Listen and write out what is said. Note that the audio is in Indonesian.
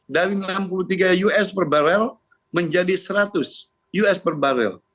dari enam puluh tiga us per barrel menjadi seratus us per barrel